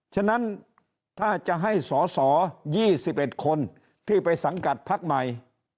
ฉะนั้นถ้าจะให้สอสอ๒๑คนที่ไปสังกัดพักใหม่